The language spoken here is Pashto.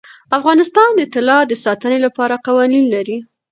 افغانستان د طلا د ساتنې لپاره قوانین لري.